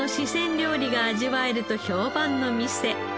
料理が味わえると評判の店。